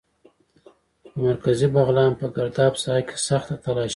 د مرکزي بغلان په ګرداب ساحه کې سخته تالاشي وه.